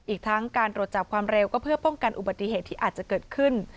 อีกทั้งการตรวจจับความเร็วก็เพื่อป้องกันอุบัติเหตุที่อาจจะเกิดขึ้น